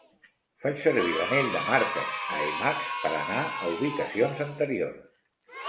Faig servir l'anell de marques a Emacs per anar a ubicacions anteriors.